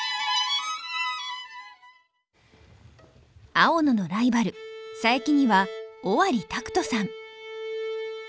青野のライバル佐伯には尾張拓登さん。